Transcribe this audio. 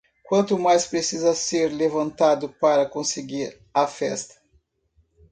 Quanto mais precisa ser levantado para conseguir a festa?